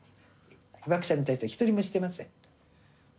被爆者に対しては一人もしてません。